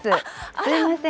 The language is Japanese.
すみません。